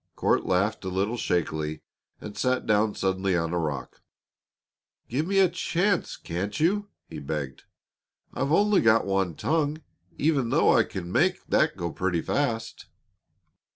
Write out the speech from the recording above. Court laughed a little shakily and sat down suddenly on a rock. "Give me a chance, can't you?" he begged. "I've only got one tongue, even though I can make that go pretty fast."